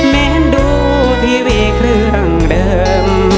แมนดูทีวีเครื่องเดิม